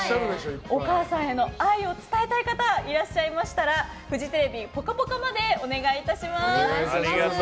お母さんへの愛を伝えたい方いらっしゃいましたらフジテレビ「ぽかぽか」までお願いいたします。